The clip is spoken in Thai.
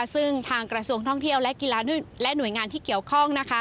ซึ่งทางกระทรวงท่องเที่ยวและกีฬาและหน่วยงานที่เกี่ยวข้อง